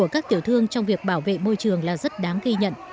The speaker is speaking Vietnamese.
các tiểu thương trong việc bảo vệ môi trường là rất đáng ghi nhận